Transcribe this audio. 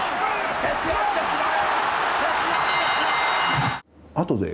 へし折ってしまう！